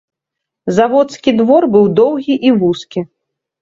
Заводскі двор быў доўгі і вузкі.